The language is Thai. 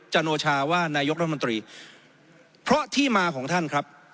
จโนชาว่านายกรัฐมนตรีเพราะที่มาของท่านครับ